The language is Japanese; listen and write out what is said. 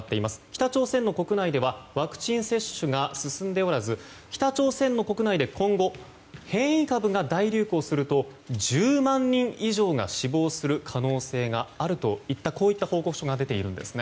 北朝鮮の国内ではワクチン接種が進んでおらず北朝鮮の国内で今後、変異株が大流行すると１０万人以上が死亡する可能性があるといった報告書が出ているんです。